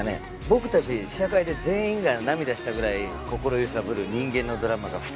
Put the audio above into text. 僕たち試写会で全員が涙したぐらい心揺さぶる人間のドラマが含まれてます。